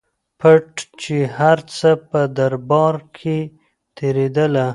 پټ چي هر څه په دربار کي تېرېدله